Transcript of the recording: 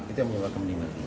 itu yang menyebabkan menimbul